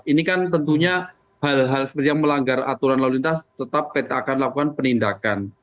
ini kan tentunya hal hal seperti yang melanggar aturan lalu lintas tetap kita akan lakukan penindakan